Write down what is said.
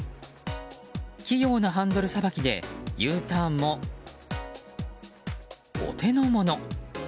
器用なハンドルさばきでＵターンもお手の物。